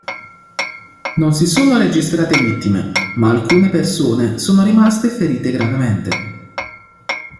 Non si sono registrate vittime ma alcune persone sono rimaste ferite gravemente.